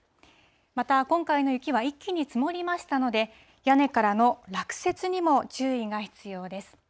また今回の雪は一気に積もりましたので、屋根からの落雪にも注意が必要です。